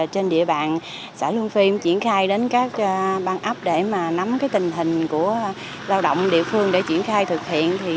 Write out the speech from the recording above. trên địa bàn xã lương phi cũng triển khai đến các băng ấp để nắm tình hình của lao động địa phương để triển khai thực hiện